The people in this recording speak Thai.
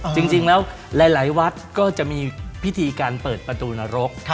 จริงแล้วหลายวักที่ก็จะมีประตูนรก